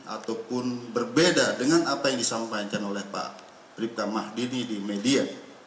ataupun berbeda dengan apa yang disampaikan oleh pak bribka mahdini di media